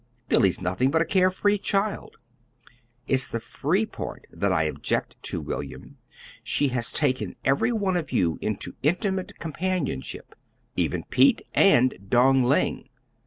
Billy's nothing but a care free child." "It's the 'free' part that I object to, William. She has taken every one of you into intimate companionship even Pete and Dong Ling."